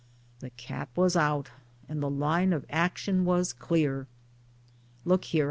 The cat was out ; and the line of action was clear. " Look here